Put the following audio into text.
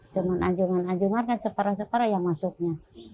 cuman ajungan ajungan kan separa separa yang masuknya